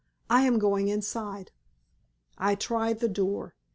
I am going inside." I tried the door.